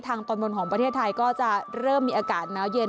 ตอนบนของประเทศไทยก็จะเริ่มมีอากาศหนาวเย็น